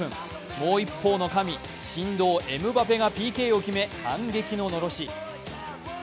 もう一方の神、神童・エムバペがＰＫを決め反撃ののろし。